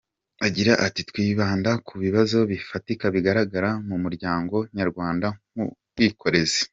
Agira ati “Twibanda ku bibazo bifatika bigaragara mu muryango Nyarwanda nk’ubwikorezi.